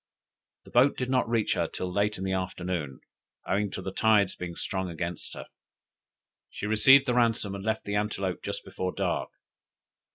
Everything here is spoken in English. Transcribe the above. The boat did not reach her till late in the afternoon, owing to the tide's being strong against her. She received the ransom and left the Antelope just before dark.